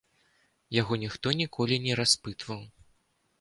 Яго ніхто ніколі не распытваў.